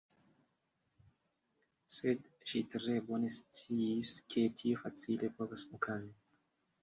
Sed ŝi tre bone sciis ke tio facile povas okazi.